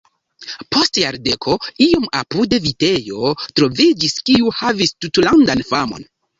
Post jardeko iom apude vitejo troviĝis, kiu havis tutlandan famon.